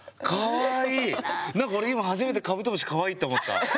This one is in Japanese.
何か俺今初めてカブトムシかわいいと思った。